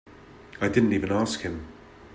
I didn't even ask him.